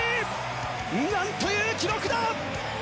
なんという記録だ！